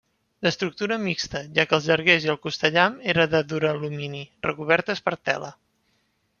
D'estructura mixta, ja que els llarguers i el costellam era de duralumini, recobertes per tela.